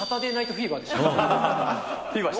フィーバーしてました？